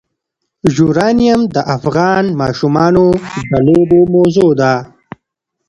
یورانیم د افغان ماشومانو د لوبو موضوع ده.